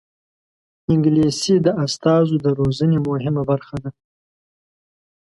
انګلیسي د استازو د روزنې مهمه برخه ده